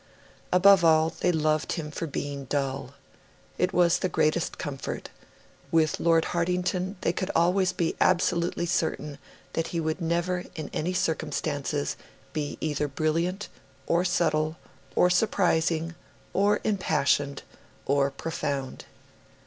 Above all, they loved him for being dull. It was the greatest comfort with Lord Hartington they could always be absolutely certain that he would never, in any circumstances, be either brilliant, or subtle, or surprising, or impassioned, or profound.